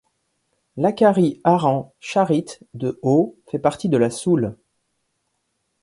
Lacarry-Arhan-Charritte-de-Haut fait partie de la Soule.